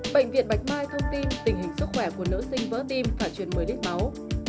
bệnh viện bạch mai thông tin tình hình sức khỏe của nữ sinh vỡ tim và chuyển một mươi lít máu